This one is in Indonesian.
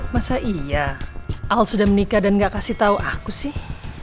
masa iya al sudah menikah dan gak kasih tahu aku sih